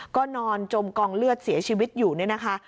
ก็นอนจมกองเลือดเสียชีวิตอยู่เนี่ยนะคะ